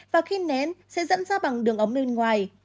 và khi nén sẽ dẫn ra bằng đường ống bên ngoài